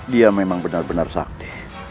dia memang benar benar sakti